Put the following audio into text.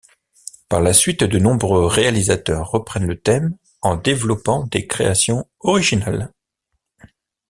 Par la suite de nombreux réalisateurs reprennent le thème en développant des créations originales.